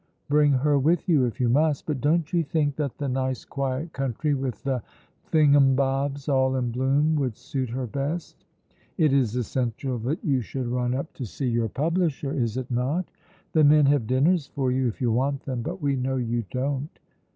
Bring her with you if you must; but don't you think that the nice, quiet country with the thingumbobs all in bloom would suit her best? It is essential that you should run up to see your publisher, is it not? The men have dinners for you if you want them, but we know you don't.